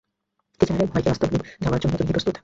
কিচ্যানারের ভয়কে বাস্তবে রূপ দেওয়ার জন্য কি তুমি প্রস্তুত?